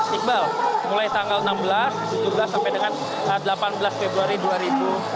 sikbal mulai tanggal enam belas sampai dengan delapan belas februari dua ribu delapan belas